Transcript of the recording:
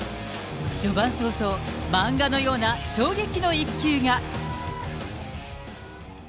序盤早々、漫画のような衝撃の一球が。